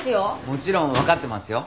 もちろん分かってますよ。